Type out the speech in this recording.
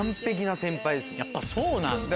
やっぱそうなんだ。